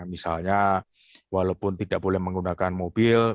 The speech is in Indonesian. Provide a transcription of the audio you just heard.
misalnya walaupun tidak boleh menggunakan mobil